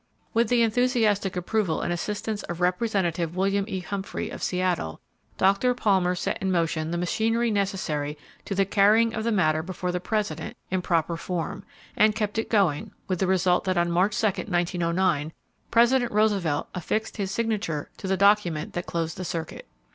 With the enthusiastic approval and assistance of Representative William E. Humphrey, of Seattle, Dr. Palmer set in motion the machinery [Page 341] necessary to the carrying of the matter before the President in proper form, and kept it going, with the result that on March 2, 1909, President Roosevelt affixed his signature to the document that closed the circuit.